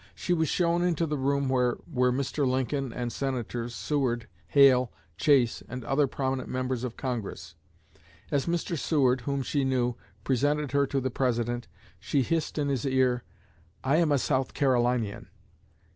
She was shown into the room where were Mr. Lincoln and Senators Seward, Hale, Chase, and other prominent members of Congress. As Mr. Seward, whom she knew, presented her to the President, she hissed in his ear: 'I am a South Carolinian.'